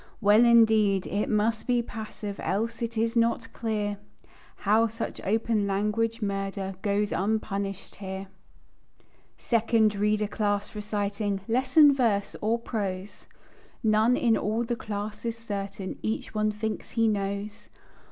Well, indeed, it must be passive, Else it is not clear How such open language murder, Goes unpunished here. "Second Reader Class" reciting "Lesson verse or prose?" None in all the class is certain; Each one thinks he knows.